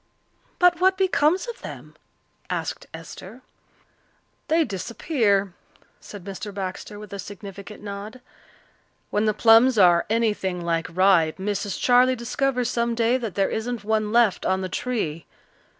"But what becomes of them?" asked Esther. "They disappear," said Mr. Baxter, with a significant nod. "When the plums are anything like ripe Mrs. Charley discovers some day that there isn't one left on the tree.